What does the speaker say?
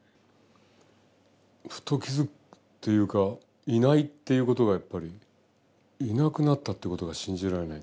ふと気付くというかいないっていうことがやっぱりいなくなったってことが信じられない。